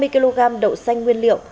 hai mươi kg đậu xanh nguyên liệu